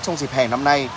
trong dịp hè năm nay